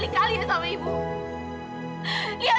ulu yg kena penjahat ni